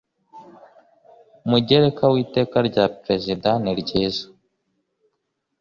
mugereka w Iteka rya Perezida niryiza